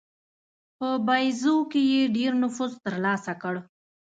په باییزو کې یې ډېر نفوذ ترلاسه کړ.